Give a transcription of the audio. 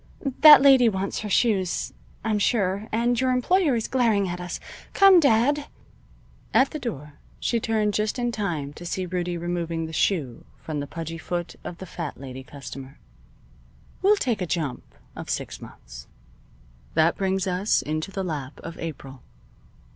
That lady wants her shoes, I'm sure, and your employer is glaring at us. Come, dad." At the door she turned just in time to see Rudie removing the shoe from the pudgy foot of the fat lady customer. We'll take a jump of six months. That brings us into the lap of April.